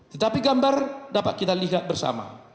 tetapi gambar dapat kita lihat bersama